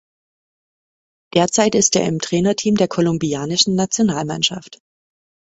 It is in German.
Derzeit ist er im Trainerteam der kolumbianischen Nationalmannschaft.